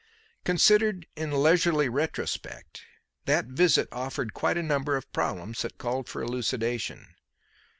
Considered in leisurely retrospect, that visit offered quite a number of problems that called for elucidation.